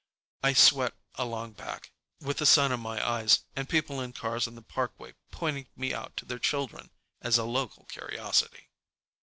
I sweat along back, with the sun in my eyes, and people in cars on the parkway pointing me out to their children as a local curiosity.